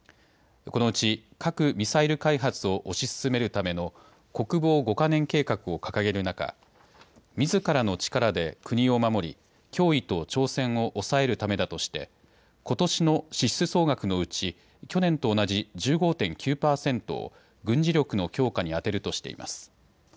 このうち核・ミサイル開発を推し進めるための国防５か年計画を掲げる中、みずからの力で国を守り脅威と挑戦を抑えるためだとしてことしの支出総額のうち去年と同じ１５．９％を軍事力の強化に充てるとしています。